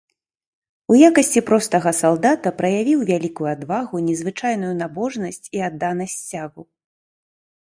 У якасці простага салдата праявіў вялікую адвагу, незвычайную набожнасць і адданасць сцягу.